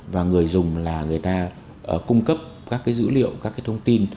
và người dùng là người ta cung cấp các dữ liệu các cái thông tin